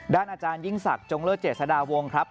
อาจารยิ่งศักดิ์จงเลิศเจษฎาวงครับ